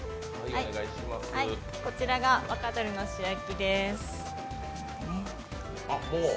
こちらが若鶏の素焼きです。